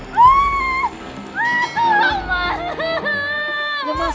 terbelah kursi tempat